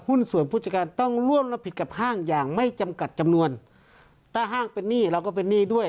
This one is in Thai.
หุ้นส่วนผู้จัดการต้องร่วมรับผิดกับห้างอย่างไม่จำกัดจำนวนถ้าห้างเป็นหนี้เราก็เป็นหนี้ด้วย